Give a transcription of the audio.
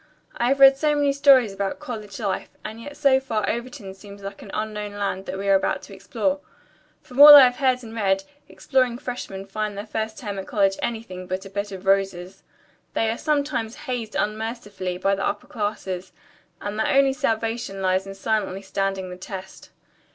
"I have read so many stories about college life, and yet so far Overton seems like an unknown land that we are about to explore. From all I have heard and read, exploring freshmen find their first term at college anything but a bed of roses. They are sometimes hazed unmercifully by the upper classes, and their only salvation lies in silently standing the test.